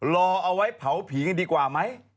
รอเอาไว้เผาผีกันดีกว่าไหม